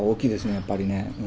やっぱりね。